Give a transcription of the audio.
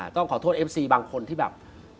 ต้องขอโทษเอฟซีบางคนที่แบบ